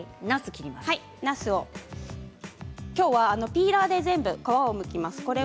ピーラーで全部皮をむきます。